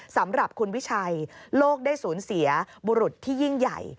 สำหรับคุณวิชัยโลกได้สูญเสียบุรุษที่ยิ่งใหญ่